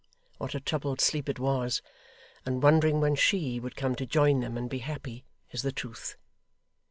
what a troubled sleep it was and wondering when SHE would come to join them and be happy, is the truth.